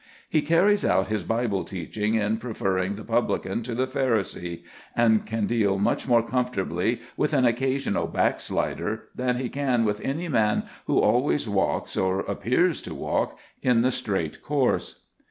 He carries out his Bible teaching in preferring the publican to the Pharisee, and can deal much more comfortably with an occasional backslider than he can with any man who always walks, or appears to walk, in the straight course.